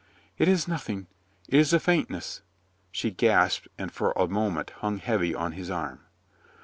"It is nothing. It is a faintness," she gasped, and for a moment hung heavy on his arm.